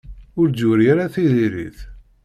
Ur d-yuri ara tiririt.